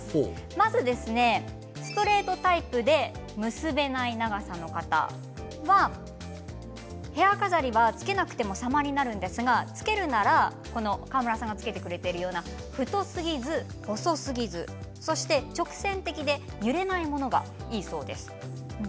まずストレートタイプで結べない長さの方はヘア飾りがつけなくても様になるんですが、つけるなら川村さんがつけてくれているような太すぎず細すぎずそして直線的で揺れないものがいいそうです。